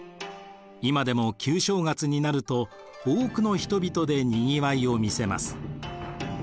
今でも旧正月になると多くの人々でにぎわいを見せます。